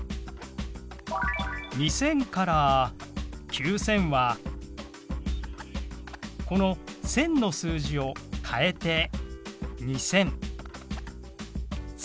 ２０００から９０００はこの「１０００」の数字を変えて２０００。